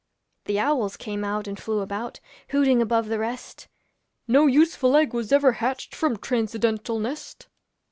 The owls came out and flew about, Hooting above the rest, 'No useful egg was ever hatched From trancendental nest.'